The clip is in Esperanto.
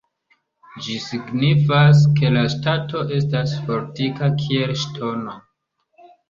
Ĝi signifas, ke la ŝtato estas fortika kiel ŝtono.